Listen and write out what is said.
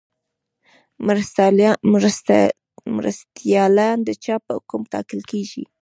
مرستیالان د چا په حکم ټاکل کیږي؟